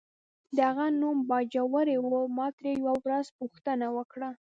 د هغه نوم باجوړی و، ما ترې یوه ورځ پوښتنه وکړه.